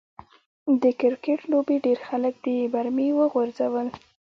د کرکټ لوبې ډېر خلک د برمې و غورځول.